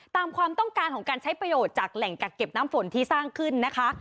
ตามความต้องการของการใช้ประโยชน์จากแหล่งกักเก็บน้ำฝนที่สร้างขึ้นนะคะ